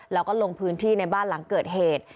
แล้วก็ลงพื้นที่ในบ้านหลังเกิดเหตุ